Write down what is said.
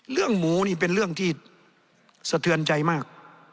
หมูนี่เป็นเรื่องที่สะเทือนใจมาก